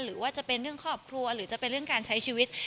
หรือว่าจะเป็นเรื่องครอบครัวหรือจะเป็นเรื่องการใช้ชีวิต